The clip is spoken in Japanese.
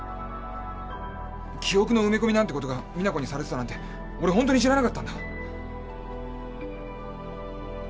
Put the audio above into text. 記憶の埋め込みなんてことが実那子にされてたなんて俺本当に知らなかったんだ。